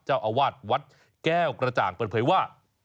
เจ้าอาวาสวัดแก้วกระจ่างเปิดเผยว่า